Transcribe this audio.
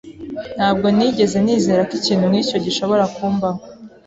Ntabwo nigeze nizera ko ikintu nkicyo gishobora kumbaho.